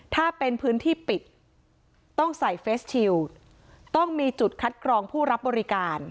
ถ้าเป็นพื้นที่ปิดต้องใส่เฟสชิลต้องมีจุดคัดกรองผู้รับบริการ